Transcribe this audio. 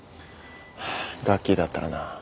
ハァガッキーだったらな。